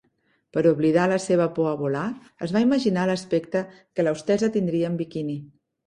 Per oblidar la seva por a volar, es va imaginar l'aspecte que la hostessa tindria en biquini.